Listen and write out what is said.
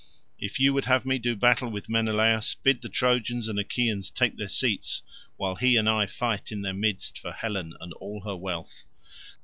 If you would have me do battle with Menelaus, bid the Trojans and Achaeans take their seats, while he and I fight in their midst for Helen and all her wealth.